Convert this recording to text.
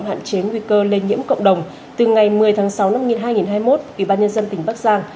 hạn chế nguy cơ lây nhiễm cộng đồng từ ngày một mươi tháng sáu năm hai nghìn hai mươi một ủy ban nhân dân tỉnh bắc giang